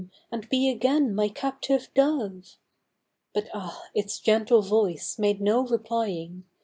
and be again my captive dove !" But ah ! its gentle voice made no replying.